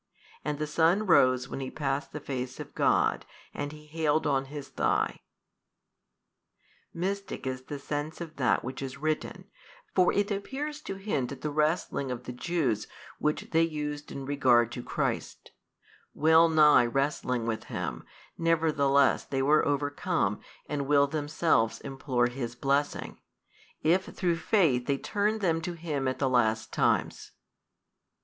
And the sun rose when he passed the face of God: and he hailed on his thigh. Mystic is the sense of that which is written, for it appears to hint at the wrestling of the Jews which they used in regard to Christ, well nigh wrestling with Him, nevertheless they were overcome and will themselves implore His Blessing, if through faith they turn them to Him at the last times.